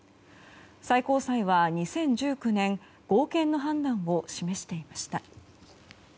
最高裁は２０１９年合憲の判断を示していました。